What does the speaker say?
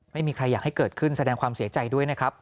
ไม่มีใครอยากให้เกิดขึ้นแสดงความเสียใจด้วยนะครับ